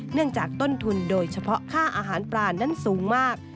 เนื่องจากต้นทุนโดยเฉพาะค่าอาหารปลานั้นสูงมาก